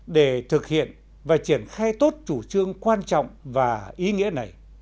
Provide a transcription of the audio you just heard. để thực hiện và triển khai tốt chủ trương quan trọng và ý nghĩa này